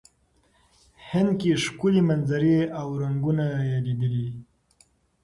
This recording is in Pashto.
هند کې ښکلې منظرې او رنګونه یې لیدلي.